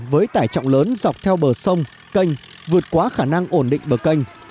với tải trọng lớn dọc theo bờ sông canh vượt quá khả năng ổn định bờ kênh